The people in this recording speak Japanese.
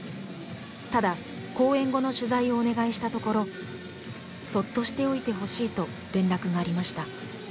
ただ公演後の取材をお願いしたところ「そっとしておいてほしい」と連絡がありました。